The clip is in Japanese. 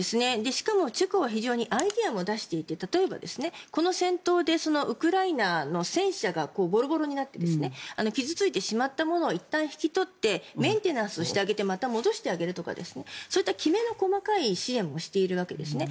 しかもチェコはアイデアも出していて例えばこの戦闘でウクライナの戦車がボロボロになって傷付いてしまったものをいったん引き取ってメンテナンスしてあげてまた戻してあげるとかそういったきめの細かい支援もしているわけですね。